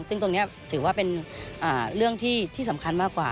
ซึ่งตรงนี้ถือว่าเป็นเรื่องที่สำคัญมากกว่า